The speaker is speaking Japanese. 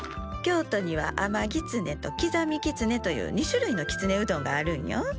京都には甘ぎつねと刻みきつねという２種類のきつねうどんがあるんよ。